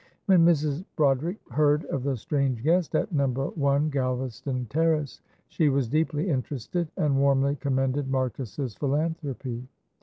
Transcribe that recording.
When Mrs. Broderick heard of the strange guest at No. 1, Galvaston Terrace, she was deeply interested, and warmly commended Marcus's philanthropy.